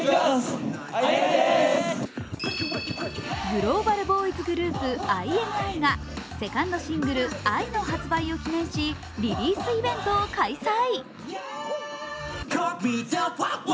グローバルボーイズグループ、ＩＮＩがセカンドシングル「Ｉ」の発売を記念しリリースイベントを開催。